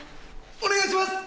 お願いします！